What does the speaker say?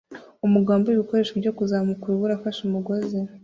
Umugabo wambaye ibikoresho byo kuzamuka urubura afashe umugozi